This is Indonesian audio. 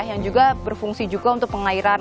yang juga berfungsi juga untuk pengairan